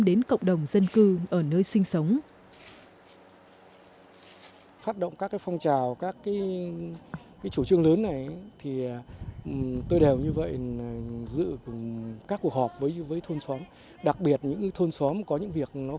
đến cộng đồng dân cư ở nơi sinh sống